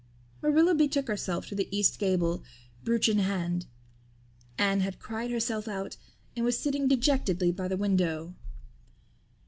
Marilla betook herself to the east gable, brooch in hand. Anne had cried herself out and was sitting dejectedly by the window.